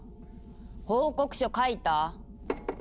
報告書書いた？